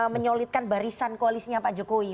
menyolidkan barisan koalisnya pak jokowi